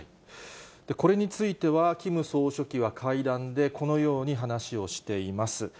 これについては、キム総書記は会談で、このように話をしています。